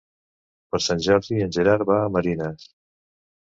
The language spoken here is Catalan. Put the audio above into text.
Per Sant Jordi en Gerard va a Marines.